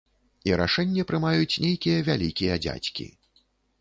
І рашэнне прымаюць нейкія вялікія дзядзькі.